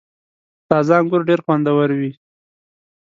• تازه انګور ډېر خوندور وي.